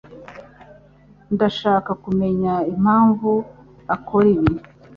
Ndashaka kumenya impamvu akora ibi.